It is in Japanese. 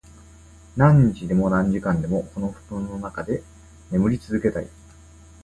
何日でも、何時間でも、この布団の中で眠り続けたい。